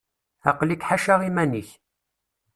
Aql-ik ḥaca iman-ik.